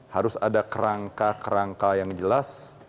harus ada kerangka kerangka yang jelas